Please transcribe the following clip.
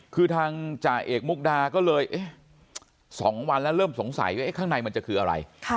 คือทางจ่าเอกมุกดาก็เลย๒วันแล้วเริ่มสงสัยว่าข้างในมันจะคืออะไร